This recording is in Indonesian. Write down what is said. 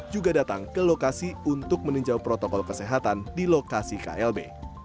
juga datang ke lokasi untuk meninjau protokol kesehatan di lokasi klb